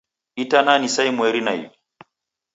Itana ni saa imweri na iw'i.